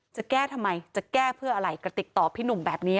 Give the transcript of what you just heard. จะแก้ทำไมจะแก้เพื่ออะไรกระติกตอบพี่หนุ่มแบบนี้